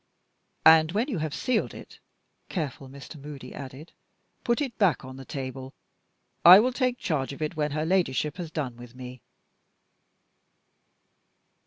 "And when you have sealed it," careful Mr. Moody added, "put it back on the table; I will take charge of it when her Ladyship has done with me."